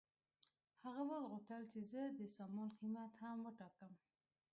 هغه وغوښتل چې زه د سامان قیمت هم وټاکم